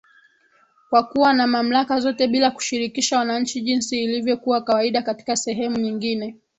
kwa kuwa na mamlaka zote bila kushirikisha wananchi jinsi ilivyokuwa kawaida katika sehemu nyingine